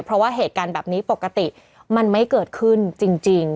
เพราะว่าเหตุการณ์แบบนี้ปกติมันไม่เกิดขึ้นจริง